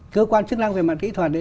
cơ quan chức năng về mặt kỹ thuật